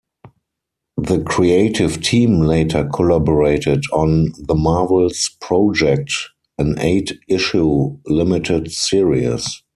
The creative team later collaborated on "The Marvels Project" an eight issue limited series.